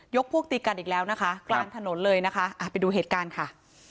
พวกตีกันอีกแล้วนะคะกลางถนนเลยนะคะไปดูเหตุการณ์ค่ะ